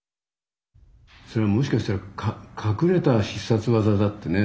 それはもしかしたら隠れた必殺技だってね